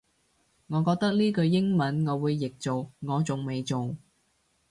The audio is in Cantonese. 我覺得呢句英文我會譯做我仲未做